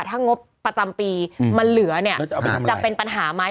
ถ้างบประจำปีมันเหลือเนี่ยจะเป็นปัญหาไหม